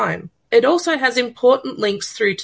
ini juga memiliki link penting